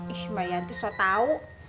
ih mbak yanti so tau